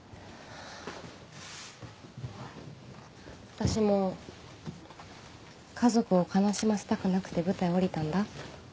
私も家族を悲しませたくなくて舞台を降りたんだ。